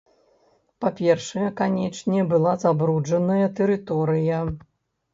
Па-першае, канечне, была забруджаная тэрыторыя.